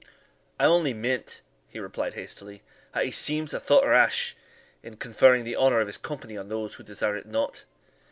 "I only meant," he replied hastily, "that he seems a thought rash in conferring the honour of his company on those who desire it not."